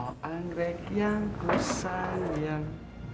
oh anggrek yang ku sayang